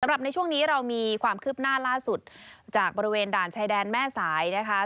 ในช่วงนี้เรามีความคืบหน้าล่าสุดจากบริเวณด่านชายแดนแม่สายนะคะ